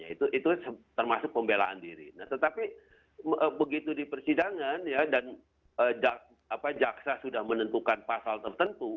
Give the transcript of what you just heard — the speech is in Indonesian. itu termasuk pembelaan diri nah tetapi begitu di persidangan ya dan jaksa sudah menentukan pasal tertentu